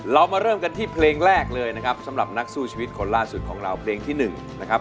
เรามาเริ่มกันที่เพลงแรกเลยนะครับสำหรับนักสู้ชีวิตคนล่าสุดของเราเพลงที่๑นะครับ